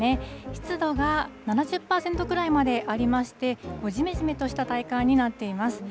湿度が７０％くらいまでありまして、じめじめとした体感になっています。